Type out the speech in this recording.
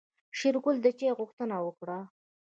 شېرګل د چاي غوښتنه وکړه.